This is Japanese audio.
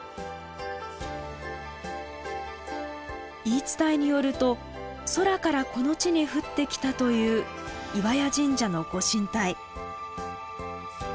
言い伝えによると空からこの地に降ってきたという岩屋神社の御神体。